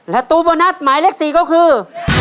ละตู้โบนัสไหมเลเวลาคือ